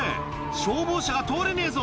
消防車が通れねえぞ。